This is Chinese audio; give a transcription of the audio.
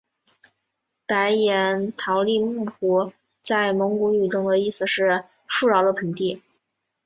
白彦陶力木湖在蒙古语中的意思是富饶的盆地。